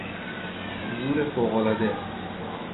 زور فوقالعاده